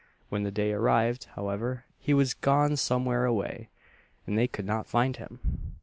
When the day arrived, however, he was "gone somewhere away," and they could not find him.